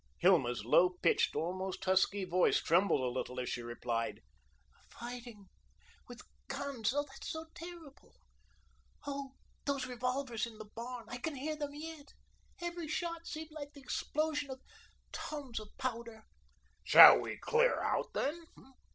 Hilma's low pitched, almost husky voice trembled a little as she replied, "Fighting with guns that's so terrible. Oh, those revolvers in the barn! I can hear them yet. Every shot seemed like the explosion of tons of powder." "Shall we clear out, then?